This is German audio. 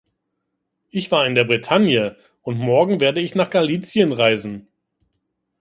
Ich war in der Bretagne, und morgen werde ich nach Galicien reisen.